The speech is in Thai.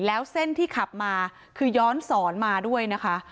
แล้วเส้นที่ขับมาคือย้อนสอนมาด้วยนะคะ